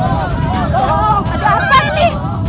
ada apa ini